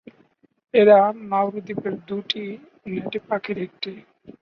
এরা নাউরু দ্বীপের দুটি নেটিভ পাখির একটি।